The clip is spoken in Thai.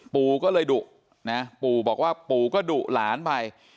ปู่ก็เลยดุนะปู่บอกว่าปู่ก็ดุหลานไป